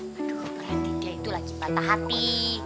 berarti dia itu lagi patah hati